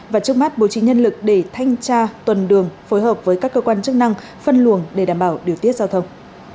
và trước mắt bố trí nhân lực để thanh tra tuần đường phối hợp với các cơ quan chức năng phân luồng để đảm bảo điều tiết giao thông